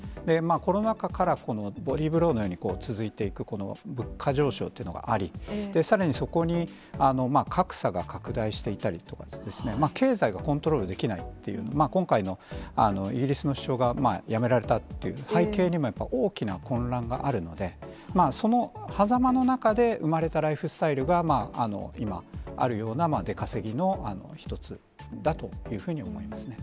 コロナ禍から、ボディブローのように続いていく、この物価上昇というのがあり、さらにそこに、格差が拡大していたりとかですね、経済がコントロールできないっていう、今回のイギリスの首相が辞められたって、背景にも大きな混乱があるので、そのはざまの中で生まれたライフスタイルが、今、あるような出稼ぎの一つだというふうに思いますね。